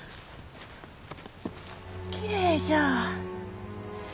きれいじゃ。